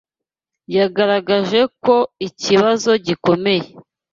Yagaragaje ko ikibazo gikomeye.